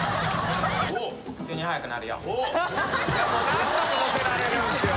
何度も乗せられるんすよ